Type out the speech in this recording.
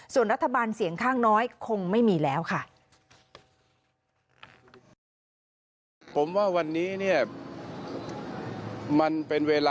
ส่วนรัฐบาลเสียงข้างน้อยคงไม่มีแล้วค่ะ